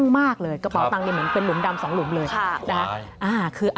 หายเลยหรือ